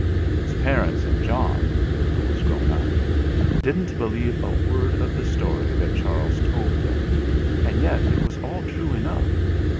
His parents and John, who was grown up, didn't believe a word of the story that Charles told them, and yet it was all true enough.